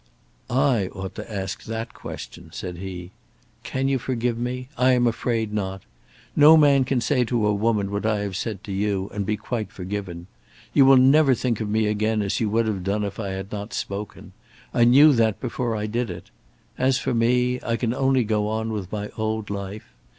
"I ought to ask that question," said he. "Can you forgive me? I am afraid not. No man can say to a woman what I have said to you, and be quite forgiven. You will never think of me again as you would have done if I had not spoken. I knew that before I did it. As for me, I can only go on with my old life.